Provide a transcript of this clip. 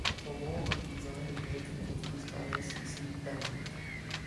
For more on the design and making of these banners, see Banner-making.